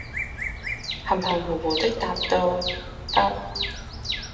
含含胡胡的答道，「不……」